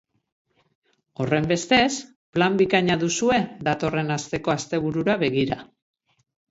Horrenbestez, plan bikaina duzue datorren asteko asteburura begira.